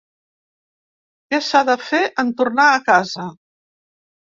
Què s’ha de fer en tornar a casa?